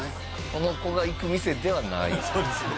この子が行く店ではないそうですね